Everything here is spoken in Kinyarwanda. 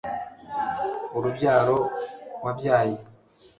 urubyaro wabyaye